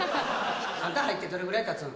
あんた入ってどれぐらいたつん？